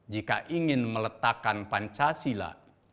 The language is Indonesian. jika ingin meletakkan pancasila